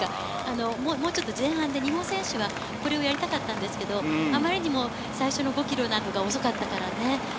前半で日本選手はこれをやりたかったんですが、あまりにも最初の５ｋｍなどが遅かったからね。